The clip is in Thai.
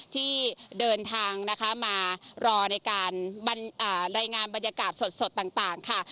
ที่เดินทางนะคะมารอในการรายงานบรรยากาศสดต่างค่ะ